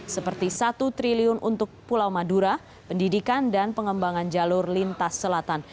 seperti satu triliun untuk pulau madura pendidikan dan pengembangan jalur lintas selatan